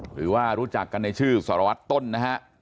รู้จักกันในชื่อสารวัตรต้นนะฮะ